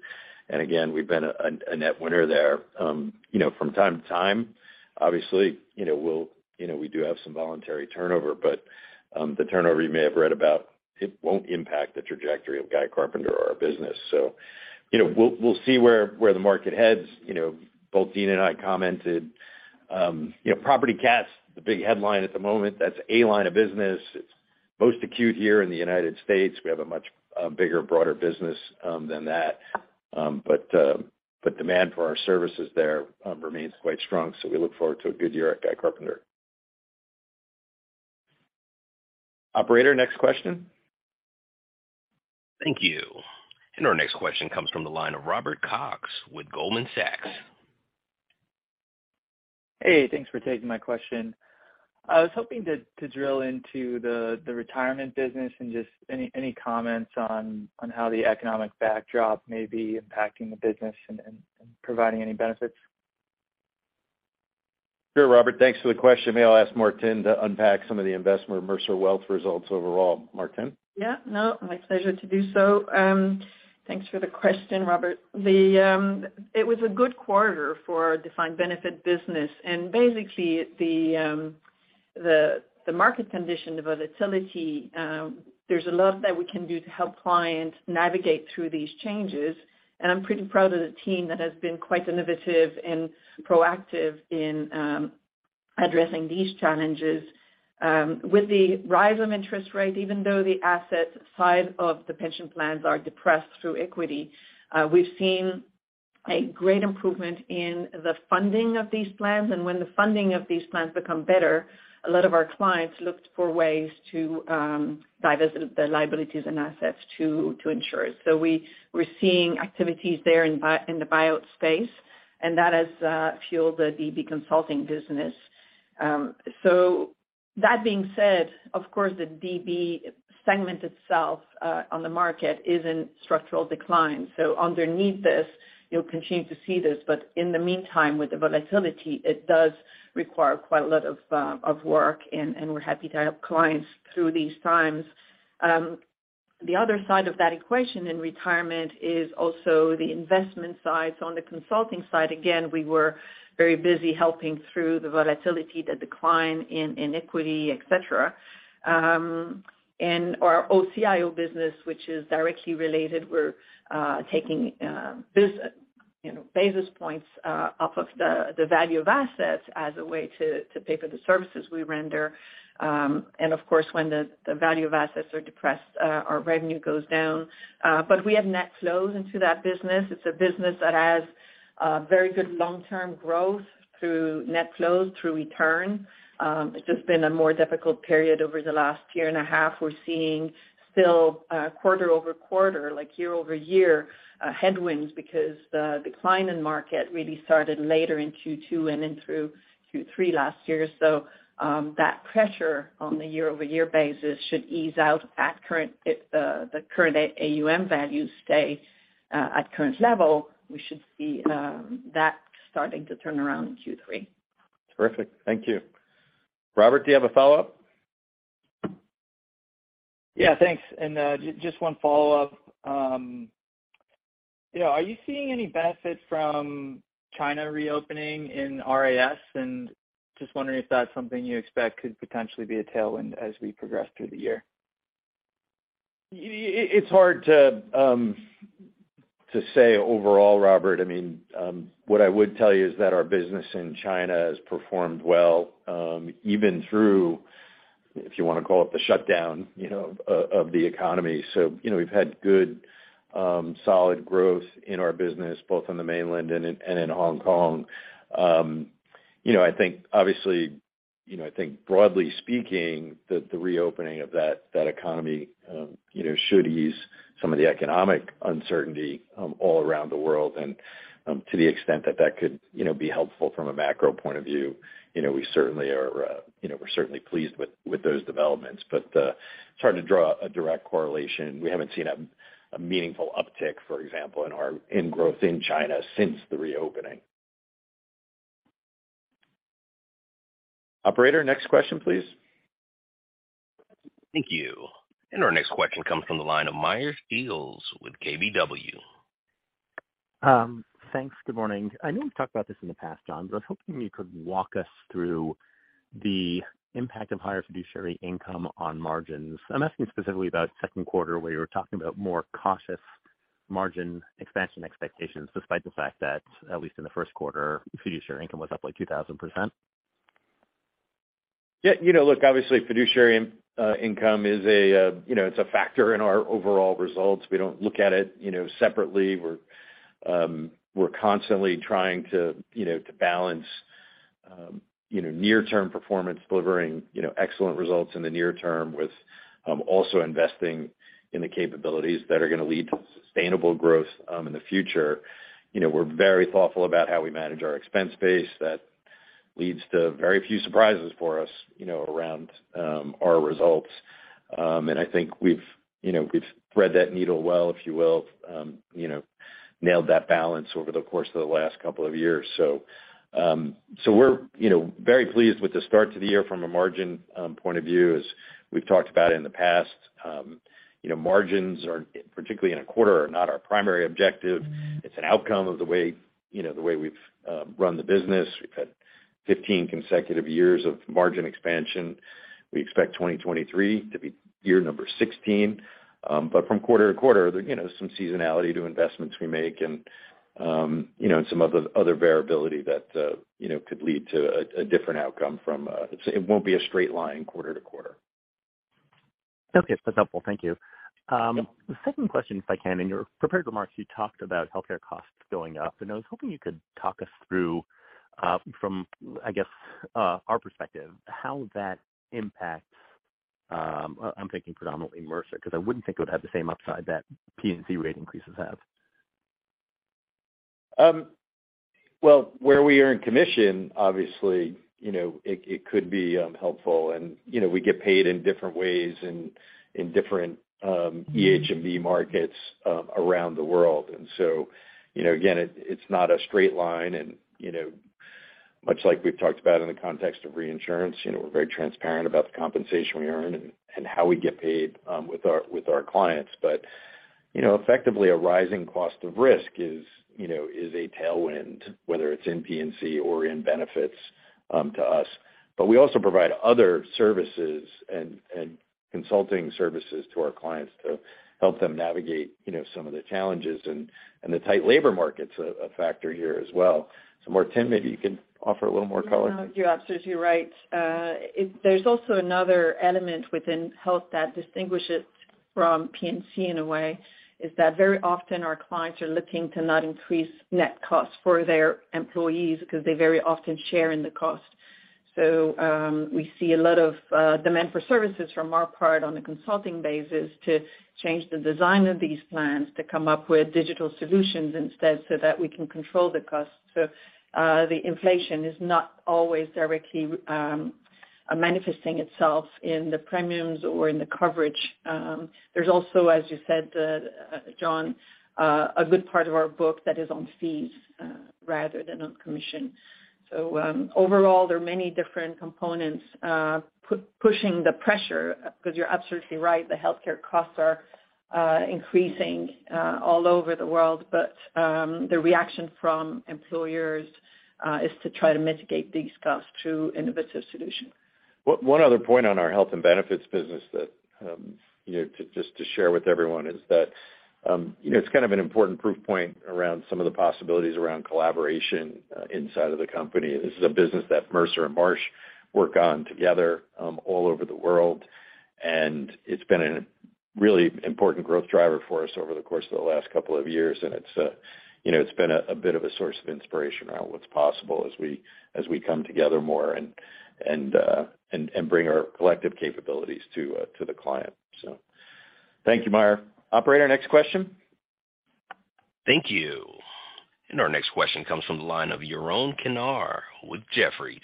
Again, we've been a net winner there. From time to time, obviously, we do have some voluntary turnover, but the turnover you may have read about, it won't impact the trajectory of Guy Carpenter or our business. We'll see where the market heads. Both Dean and I commented, property cats, the big headline at the moment, that's a line of business. It's most acute here in the United States. We have a much bigger, broader business than that. But demand for our services there remains quite strong. We look forward to a good year at Guy Carpenter. Operator, next question. Thank you. Our next question comes from the line of Robert Cox with Goldman Sachs. Hey, thanks for taking my question. I was hoping to drill into the retirement business and just any comments on how the economic backdrop may be impacting the business and providing any benefits? Sure, Robert. Thanks for the question. May I'll ask Martine to unpack some of the investment of Mercer Wealth results overall. Martine? Yeah. No, my pleasure to do so. Thanks for the question, Robert. It was a good quarter for our defined benefit business. The market condition, the volatility, there's a lot that we can do to help clients navigate through these changes. I'm pretty proud of the team that has been quite innovative and proactive in addressing these challenges. With the rise of interest rates, even though the asset side of the pension plans are depressed through equity, we've seen a great improvement in the funding of these plans. When the funding of these plans become better, a lot of our clients looked for ways to divest the liabilities and assets to insure it. We're seeing activities there in the buyout space, and that has fueled the DB consulting business. That being said, of course, the DB segment itself on the market is in structural decline. Underneath this, you'll continue to see this. In the meantime, with the volatility, it does require quite a lot of work, and we're happy to help clients through these times. The other side of that equation in retirement is also the investment side. On the consulting side, again, we were very busy helping through the volatility, the decline in equity, et cetera. And our OCIO business, which is directly related, we're taking, you know, basis points off of the value of assets as a way to pay for the services we render. And of course, when the value of assets are depressed, our revenue goes down. We have net flows into that business. It's a business that has very good long-term growth through net flows, through return. It's just been a more difficult period over the last year and a half. We're seeing still, quarter-over-quarter, like year-over-year, headwinds because the decline in market really started later in Q2 and then through Q3 last year. That pressure on the year-over-year basis should ease out at current, the current AUM value stay, at current level. We should see that starting to turn around in Q3. Terrific. Thank you. Robert, do you have a follow-up? Yeah, thanks. Just one follow-up. You know, are you seeing any benefit from China reopening in RIS? Just wondering if that's something you expect could potentially be a tailwind as we progress through the year. It's hard to say overall, Robert. I mean, what I would tell you is that our business in China has performed well, even through, if you wanna call it the shutdown, you know, of the economy. You know, we've had good, solid growth in our business, both on the mainland and in Hong Kong. You know, I think obviously, you know, I think broadly speaking, the reopening of that economy, you know, should ease some of the economic uncertainty all around the world. To the extent that that could, you know, be helpful from a macro point of view, you know, we certainly are, you know, we're certainly pleased with those developments. It's hard to draw a direct correlation. We haven't seen a meaningful uptick, for example, in our in-growth in China since the reopening. Operator, next question, please. Thank you. Our next question comes from the line of Meyer Shields with KBW. Thanks. Good morning. I know we've talked about this in the past, John, I was hoping you could walk us through the impact of higher fiduciary income on margins. I'm asking specifically about second quarter, where you were talking about more cautious margin expansion expectations, despite the fact that, at least in the first quarter, fiduciary income was up, like, 2,000%. Yeah. You know, look, obviously, fiduciary income is a, you know, it's a factor in our overall results. We don't look at it, you know, separately. We're constantly trying to, you know, to balance, you know, near-term performance, delivering, you know, excellent results in the near term with also investing in the capabilities that are gonna lead to sustainable growth in the future. You know, we're very thoughtful about how we manage our expense base that leads to very few surprises for us, you know, around our results. I think we've, you know, we've thread that needle well, if you will, you know, nailed that balance over the course of the last couple of years. We're, you know, very pleased with the start to the year from a margin point of view. As we've talked about in the past, you know, margins are, particularly in a quarter, are not our primary objective. It's an outcome of the way, you know, the way we've run the business. We've had 15 consecutive years of margin expansion. We expect 2023 to be year number 16. But from quarter to quarter, there, you know, some seasonality to investments we make and, you know, some other variability that, you know, could lead to a different outcome. It won't be a straight line quarter to quarter. Okay. That's helpful. Thank you. The second question, if I can. In your prepared remarks, you talked about healthcare costs going up, I was hoping you could talk us through, from, I guess, our perspective, how that impacts, I'm thinking predominantly Mercer, 'cause I wouldn't think it would have the same upside that P&C rate increases have. Well, where we earn commission, obviously, you know, it could be helpful. You know, we get paid in different ways in different EH&B markets around the world. You know, much like we've talked about in the context of reinsurance, you know, we're very transparent about the compensation we earn and how we get paid with our, with our clients. You know, effectively, a rising cost of risk is, you know, is a tailwind, whether it's in P&C or in benefits to us. We also provide other services and consulting services to our clients to help them navigate, you know, some of the challenges, and the tight labor market's a factor here as well. Martine, maybe you can offer a little more color. No, you're absolutely right. There's also another element within health that distinguishes from P&C in a way, is that very often our clients are looking to not increase net costs for their employees 'cause they very often share in the cost. We see a lot of demand for services from our part on a consulting basis to change the design of these plans to come up with digital solutions instead, so that we can control the costs. The inflation is not always directly manifesting itself in the premiums or in the coverage. There's also, as you said, John, a good part of our book that is on fees rather than on commission. Overall, there are many different components pushing the pressure, 'cause you're absolutely right, the healthcare costs are increasing all over the world. The reaction from employers is to try to mitigate these costs through innovative solutions. One other point on our health and benefits business that, you know, just to share with everyone is that, you know, it's kind of an important proof point around some of the possibilities around collaboration inside of the company. This is a business that Mercer and Marsh work on together all over the world, and it's been a really important growth driver for us over the course of the last couple of years. It's, you know, it's been a bit of a source of inspiration around what's possible as we, as we come together more and bring our collective capabilities to the client. Thank you, Meyer. Operator, next question. Thank you. Our next question comes from the line of Yaron Kinar with Jefferies.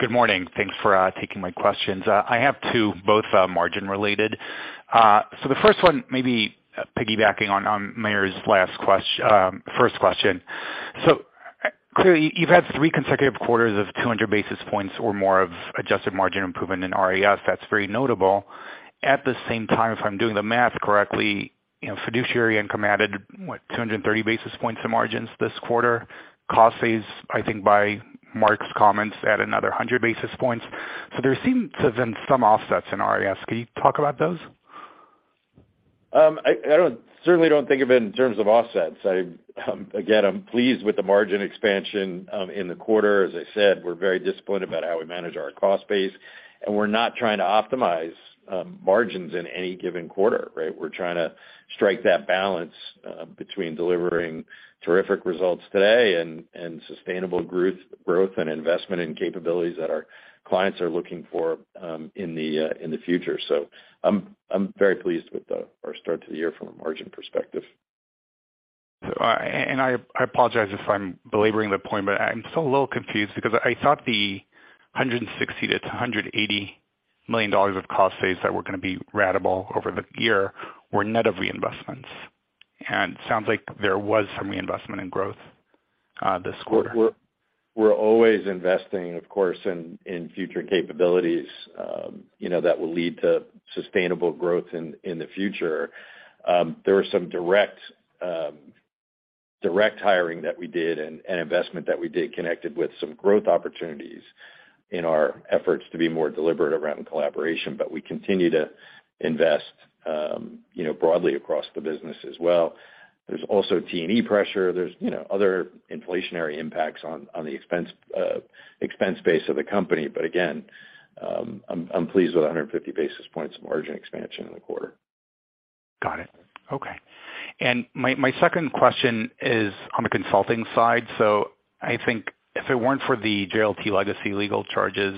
Good morning. Thanks for taking my questions. I have two, both margin related. The first one may be piggybacking on Meyer's last question. Clearly you've had three consecutive quarters of 200 basis points or more of adjusted margin improvement in RIS. That's very notable. At the same time, if I'm doing the math correctly, you know, fiduciary income added, what, 230 basis points to margins this quarter. Cost saves, I think by Mark's comments, add another 100 basis points. There seems to have been some offsets in RIS. Can you talk about those? I certainly don't think of it in terms of offsets. I, again, I'm pleased with the margin expansion in the quarter. As I said, we're very disappointed about how we manage our cost base. We're not trying to optimize margins in any given quarter, right? We're trying to strike that balance between delivering terrific results today and sustainable growth and investment in capabilities that our clients are looking for in the future. I'm very pleased with our start to the year from a margin perspective. I apologize if I'm belaboring the point, but I'm still a little confused because I thought the $160 million-$280 million of cost saves that were gonna be ratable over the year were net of reinvestments. Sounds like there was some reinvestment in growth this quarter. We're always investing, of course, in future capabilities, you know, that will lead to sustainable growth in the future. There were some direct hiring that we did and investment that we did connected with some growth opportunities in our efforts to be more deliberate around collaboration. We continue to invest, you know, broadly across the business as well. There's also T&E pressure. There's, you know, other inflationary impacts on the expense base of the company. Again, I'm pleased with the 150 basis points of margin expansion in the quarter. Got it. Okay. My second question is on the consulting side. I think if it weren't for the JLT legacy legal charges,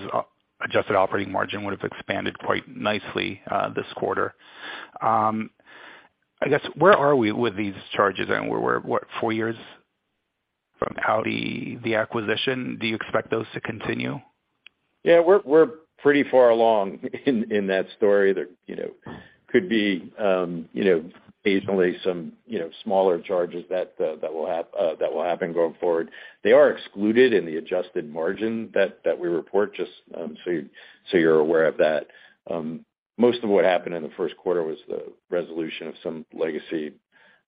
adjusted operating margin would have expanded quite nicely, this quarter. I guess, where are we with these charges? We're what, four years from JLT, the acquisition? Do you expect those to continue? We're pretty far along in that story. There, you know, could be, you know, occasionally some, you know, smaller charges that will happen going forward. They are excluded in the adjusted margin that we report, just, so you're aware of that. Most of what happened in the first quarter was the resolution of some legacy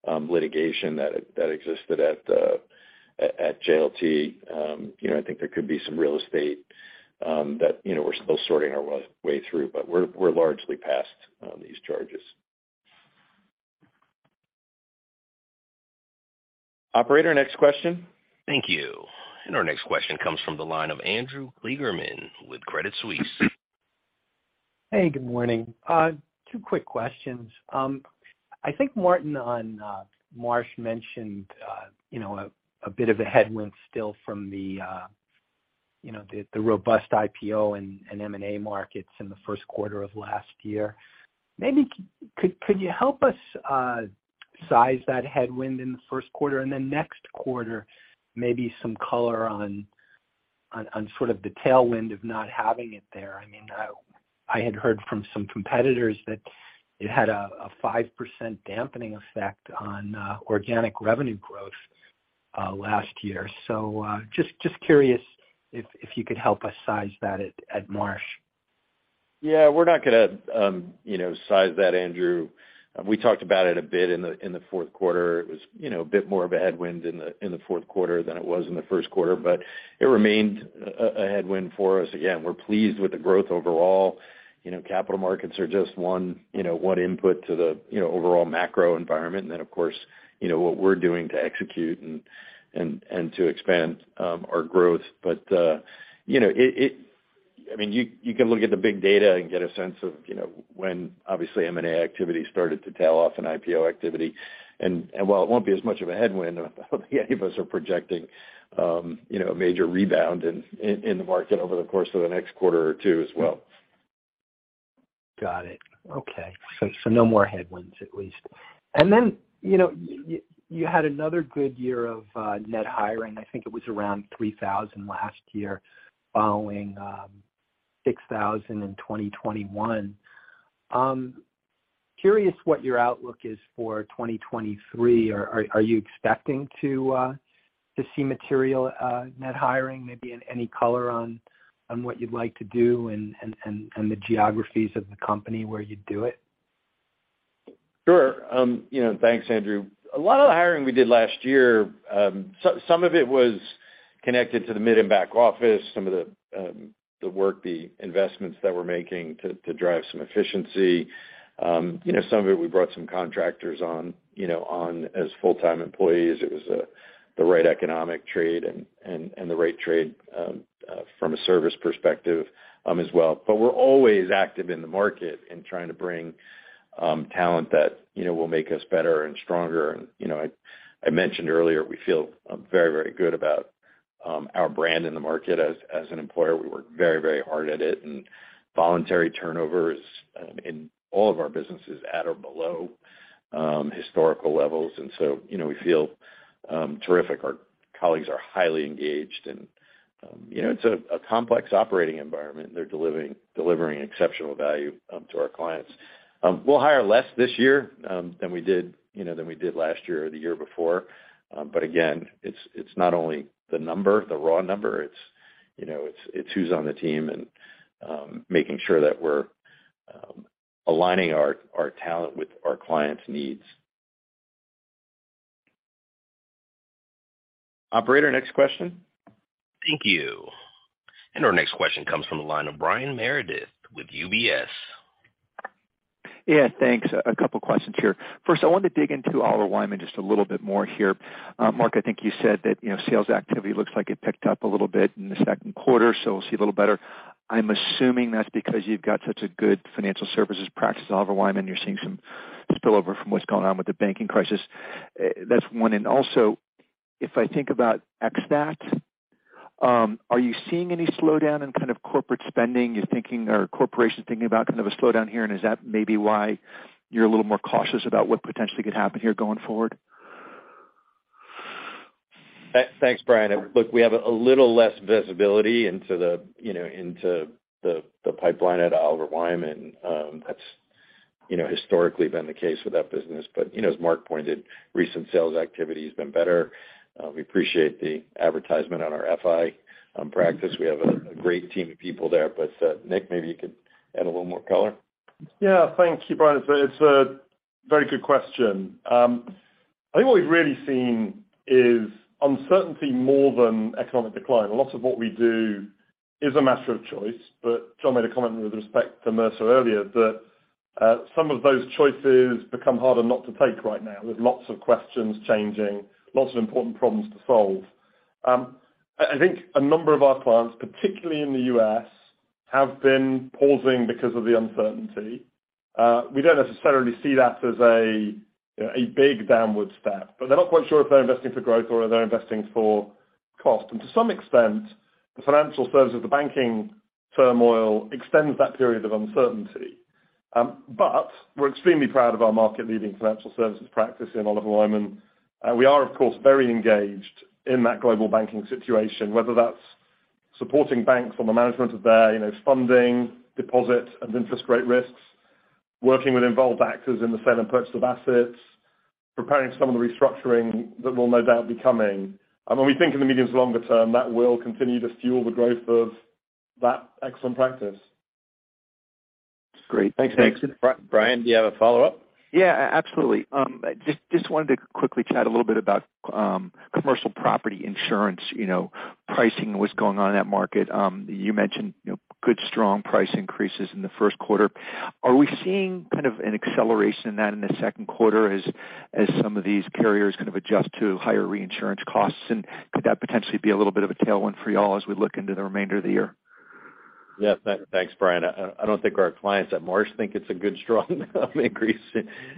litigation that existed at JLT. You know, I think there could be some real estate that, you know, we're still sorting our way through, but we're largely past these charges. Operator, next question. Thank you. Our next question comes from the line of Andrew Kligerman with Credit Suisse. Hey, good morning. Two quick questions. I think Martin South on Marsh mentioned, you know, a bit of a headwind still from the robust IPO and M&A markets in the first quarter of last year. Maybe could you help us size that headwind in the first quarter and the next quarter, maybe some color on sort of the tailwind of not having it there? I mean, I had heard from some competitors that it had a 5% dampening effect on organic revenue growth last year. Just curious if you could help us size that at Marsh. Yeah. We're not gonna, you know, size that, Andrew. We talked about it a bit in the fourth quarter. It was, you know, a bit more of a headwind in the fourth quarter than it was in the first quarter. It remained a headwind for us. Again, we're pleased with the growth overall. You know, capital markets are just one, you know, one input to the, you know, overall macro environment. Of course, you know, what we're doing to execute and to expand our growth. You know, it, I mean, you can look at the big data and get a sense of, you know, when obviously M&A activity started to tail off an IPO activity. While it won't be as much of a headwind, I don't think any of us are projecting, you know, a major rebound in, in the market over the course of the next quarter or two as well. Got it. Okay. So no more headwinds at least. You know, you had another good year of net hiring. I think it was around 3,000 last year following 6,000 in 2021. Curious what your outlook is for 2023. Are you expecting to see material net hiring? Maybe any color on what you'd like to do and the geographies of the company where you do it? Sure. You know, thanks, Andrew. A lot of the hiring we did last year, some of it was connected to the mid and back office, some of the work, the investments that we're making to drive some efficiency. You know, some of it, we brought some contractors on as full-time employees. It was the right economic trade and the right trade from a service perspective as well. We're always active in the market in trying to bring talent that, you know, will make us better and stronger. You know, I mentioned earlier we feel very, very good about our brand in the market as an employer. We work very, very hard at it, and voluntary turnover is in all of our businesses at or below historical levels. You know, we feel terrific. Our colleagues are highly engaged and you know, it's a complex operating environment. They're delivering exceptional value to our clients. We'll hire less this year than we did, you know, than we did last year or the year before. Again, it's not only the number, the raw number, it's you know, it's who's on the team and making sure that we're aligning our talent with our clients' needs. Operator, next question. Thank you. Our next question comes from the line of Brian Meredith with UBS. Thanks. A couple questions here. First, I wanted to dig into Oliver Wyman just a little bit more here. Mark, I think you said that, you know, sales activity looks like it picked up a little bit in the second quarter, so we'll see a little better. I'm assuming that's because you've got such a good financial services practice at Oliver Wyman, you're seeing some spillover from what's going on with the banking crisis. That's one. If I think about xDAAT, are you seeing any slowdown in kind of corporate spending? Or are corporations thinking about kind of a slowdown here, and is that maybe why you're a little more cautious about what potentially could happen here going forward? Thanks, Brian. Look, we have a little less visibility into the, you know, into the pipeline at Oliver Wyman. That's, you know, historically been the case with that business. You know, as Mark pointed, recent sales activity has been better. We appreciate the advertisement on our FI practice. We have a great team of people there. Nick, maybe you could add a little more color. Yeah. Thank you, Brian. It's a very good question. I think what we've really seen is uncertainty more than economic decline. A lot of what we do is a matter of choice, but John made a comment with respect to Mercer earlier, that some of those choices become harder not to take right now. There's lots of questions changing, lots of important problems to solve. I think a number of our clients, particularly in the U.S., have been pausing because of the uncertainty. We don't necessarily see that as a, you know, a big downward step, but they're not quite sure if they're investing for growth or they're investing for cost. To some extent, the financial services, the banking turmoil extends that period of uncertainty. We're extremely proud of our market-leading financial services practice in Oliver Wyman. We are, of course, very engaged in that global banking situation, whether that's supporting banks on the management of their, you know, funding deposit and interest rate risks, working with involved actors in the sale and purchase of assets, preparing some of the restructuring that will no doubt be coming. When we think in the mediums longer term, that will continue to fuel the growth of that excellent practice. Great. Thanks, Nick. Brian, do you have a follow-up? Yeah. Absolutely. just wanted to quickly chat a little bit about commercial property insurance, you know, pricing, what's going on in that market. You mentioned, you know, good, strong price increases in the first quarter. Are we seeing kind of an acceleration in that in the second quarter as some of these carriers kind of adjust to higher reinsurance costs? Could that potentially be a little bit of a tailwind for y'all as we look into the remainder of the year? Thanks, Brian. I don't think our clients at Marsh think it's a good, strong, increase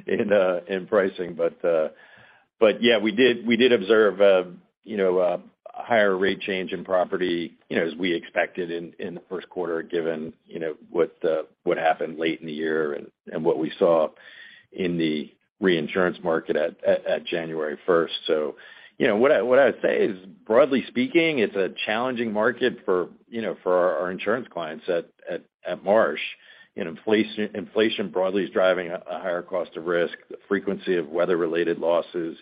in pricing. But yeah, we did observe, you know, higher rate change in property, you know, as we expected in the first quarter, given, you know, what happened late in the year and what we saw in the reinsurance market at January first. You know, what I would say is, broadly speaking, it's a challenging market for, you know, for our insurance clients at Marsh. You know, inflation broadly is driving a higher cost of risk. The frequency of weather-related losses,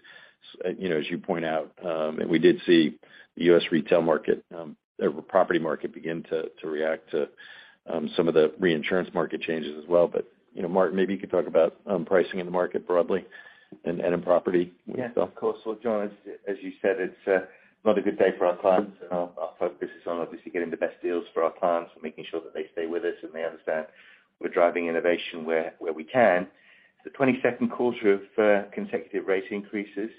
you know, as you point out, we did see the U.S. retail market, or property market begin to react to some of the reinsurance market changes as well. You know, Mark, maybe you could talk about pricing in the market broadly and in property. Of course. John, as you said, it's not a good day for our clients, and our focus is on obviously getting the best deals for our clients and making sure that they stay with us and they understand we're driving innovation where we can. It's the 22nd quarter of consecutive rate increases.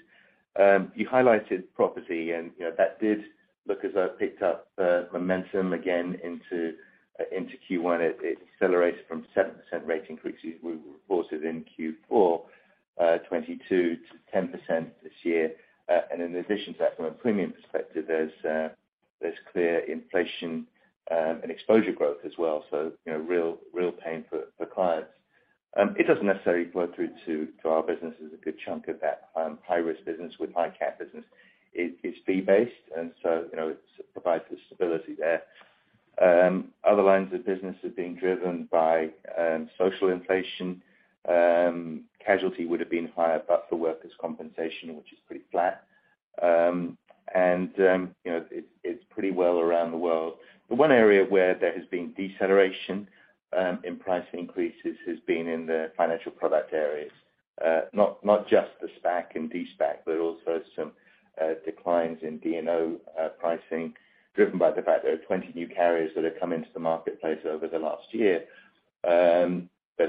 You highlighted property and, you know, that did look as though it picked up momentum again into Q1. It accelerated from 7% rate increases we reported in Q4 2022 to 10% this year. In addition to that, from a premium perspective, there's clear inflation and exposure growth as well. You know, real pain for clients. It doesn't necessarily flow through to our business as a good chunk of that, high-risk business with high cat business. It's fee based, and so, you know, it provides stability there. Other lines of business are being driven by, social inflation. Casualty would have been higher but for workers' compensation, which is pretty flat. And, you know, it's pretty well around the world. The one area where there has been deceleration, in price increases has been in the financial product areas. Not, not just the SPAC and De-SPAC, but also some, declines in D&O, pricing, driven by the fact there are 20 new carriers that have come into the marketplace over the last year.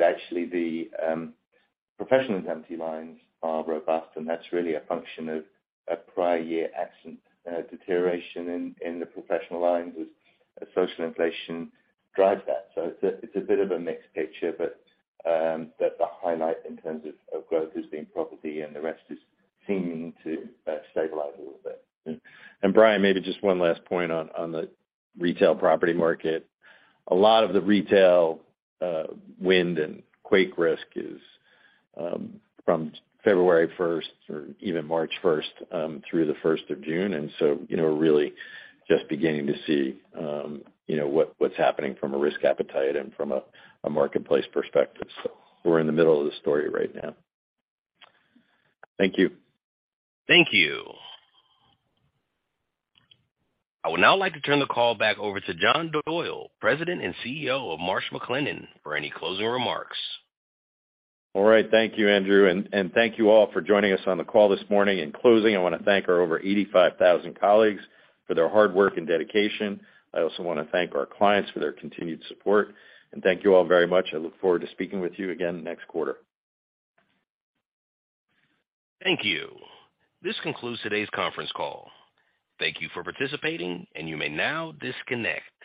Actually the professional lines are robust, and that's really a function of a prior year accident deterioration in the professional lines with social inflation drives that. It's a bit of a mixed picture, but the highlight in terms of growth has been property and the rest is seeming to stabilize a little bit. Brian, maybe just one last point on the retail property market. A lot of the retail wind and quake risk is from February 1st or even March 1st through the 1st of June. You know, we're really just beginning to see, you know, what's happening from a risk appetite and from a marketplace perspective. We're in the middle of the story right now. Thank you. Thank you. I would now like to turn the call back over to John Doyle, President and CEO of Marsh McLennan, for any closing remarks. All right. Thank you, Andrew, and thank you all for joining us on the call this morning. In closing, I wanna thank our over 85,000 colleagues for their hard work and dedication. I also wanna thank our clients for their continued support. Thank you all very much. I look forward to speaking with you again next quarter. Thank you. This concludes today's conference call. Thank you for participating. You may now disconnect.